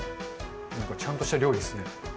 なんかちゃんとした料理ですね。